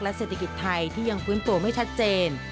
เศรษฐกิจไทยที่ยังฟื้นตัวไม่ชัดเจน